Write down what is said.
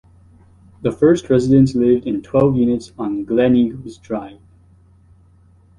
The first residents lived in twelve units on Gleneagles Drive.